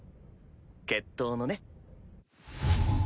決闘のね。